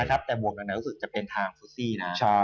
แต่บวกกันแล้วรู้สึกจะเป็นทางซูซี่นะ